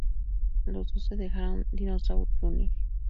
Los dos dejaron Dinosaur Jr.